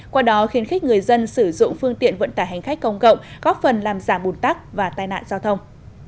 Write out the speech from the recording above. qua đó khiến khích người dân sử dụng phương tiện vận tải hành khách công cộng góp phần làm giả bùn tắc và tai nạn giao thông